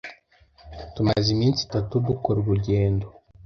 Tumaze iminsi itatu dukora urugendo.